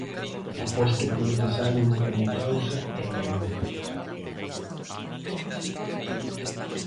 Aposto polo desánimo como causa e négao.